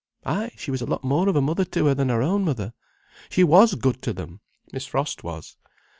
Ay, she was a lot more of a mother to her than her own mother. She was good to them, Miss Frost was.